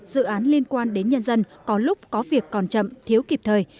dự án liên quan đến nhân dân có lúc có việc còn chậm thiếu kịp thời